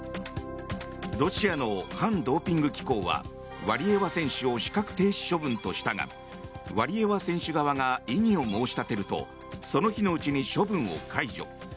ロシアの反ドーピング機構はワリエワ選手を資格停止処分としたがワリエワ選手側が異議を申し立てるとその日のうちに処分を解除。